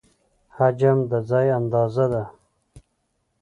حجم د ځای اندازه ده.